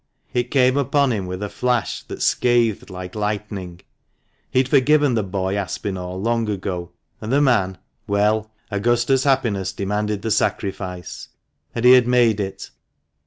It came upon him with a flash that scathed like lightning. He had forgiven the boy Aspinall long ago ; and the man — well, Augusta's happiness demanded the sacrifice, and he had made it.